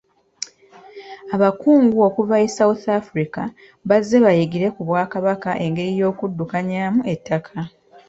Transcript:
Abakungu okuva e South Africa bazze bayigire ku Bwakabaka engeri y'okuddukanyamu ettaka.